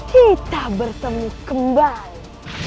kita bertemu kembali